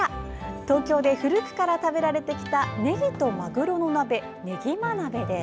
東京で古くから食べられてきたねぎとマグロの鍋、ねぎま鍋です。